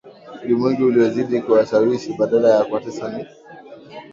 ulimwengu uliozidi kuwashawishi badala ya kuwatesa Ni